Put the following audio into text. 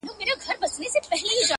په يادونو جوړېږي تل،